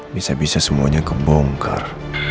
bisa bisa semuanya kebongkar